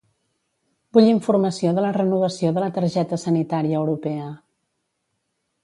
Vull informació de la renovació de la targeta sanitària europea.